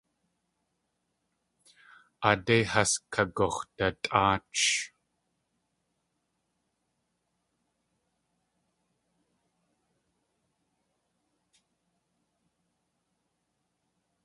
Aadé has kagux̲dutʼáach.